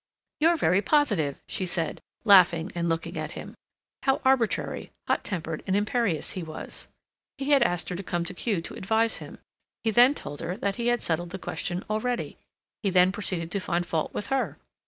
"You're very positive," she said, laughing and looking at him. How arbitrary, hot tempered, and imperious he was! He had asked her to come to Kew to advise him; he then told her that he had settled the question already; he then proceeded to find fault with her.